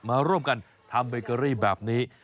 มาร่วมกันทำเบเกอรี่แบบนี้